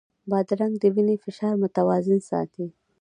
بادرنګ د وینې فشار متوازن ساتي.